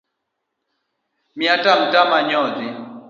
Miya tam tam anyodhi.